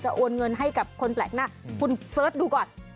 โอนเงินให้กับคนแปลกหน้าคุณเสิร์ชดูก่อน